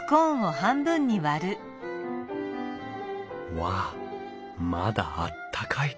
うわあまだあったかい。